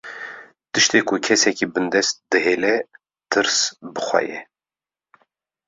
Tiştê ku kesekî bindest dihêle, tirs bi xwe ye